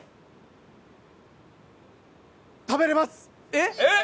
えっ。えっ？